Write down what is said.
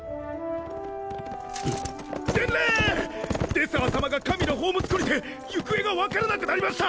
デスハー様が神の宝物庫にて行方が分からなくなりました！